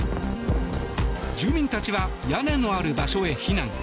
住民たちは屋根のある場所へ避難。